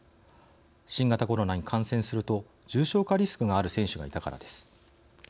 新型コロナに感染すると重症化リスクがある選手がいたからです。